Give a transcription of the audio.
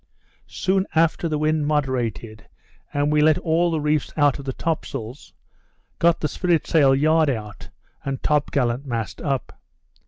Soon after the wind moderated, and we let all the reefs out of the top sails, got the spritsail yard out, and top gallant mast up.